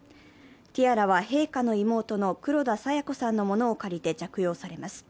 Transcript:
ティアラは陛下の妹の黒田清子さんのものを借りて着用されます。